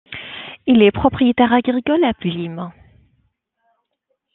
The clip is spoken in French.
Il est propriétaire agricole à Blismes.